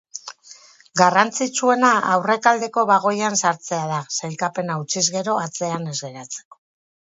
Garrantzitsuena aurrealdeko bagoian sartzea da, sailkapena hautsiz gero atzean ez geratzeko.